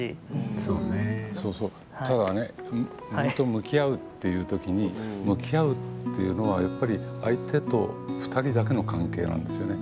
そうそう、ただね面と向き合うっていうときに向き合うっていうのは、やっぱり相手と２人だけの関係なんですね。